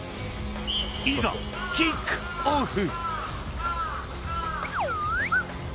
いざキックオフ！